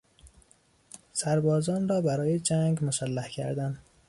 سربازان را برای جنگ مسلح کردن